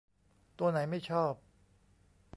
ตัวไหนไม่ชอบ